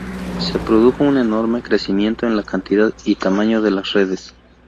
Se produjo un enorme crecimiento en la cantidad y tamaño de las redes.